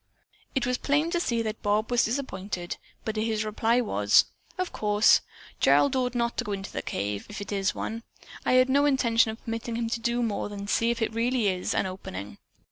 It was plain to see that Bob was disappointed, but his reply was: "Of course, Gerald ought not to go into that cave, if it is one. I had no intention of permitting him to do more than see if it really is an opening.